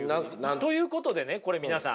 ということでね皆さん。